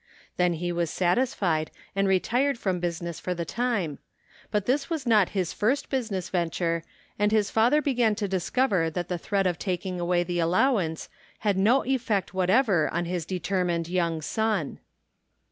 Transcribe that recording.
Then he was satisfied and retired from business for the time, but this was not his first business venture, and his father began to discover that the threat of taking away the allowance had no effect whatever on his determined young son.